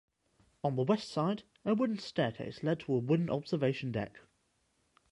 On the west side, a wooden staircase led to a wooden observation deck.